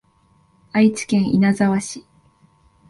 愛知県稲沢市